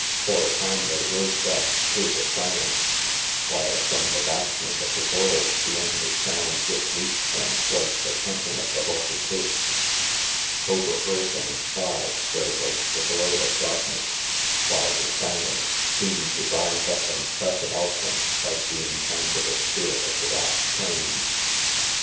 For a time they rode thus through the silence, while from the vastness of the world the only sound which reached them was the crunching of the horses' hoofs. Over earth and sky there was the blur of darkness, while the silence seemed to rise up and press about them like the intangible spirit of the vast plains.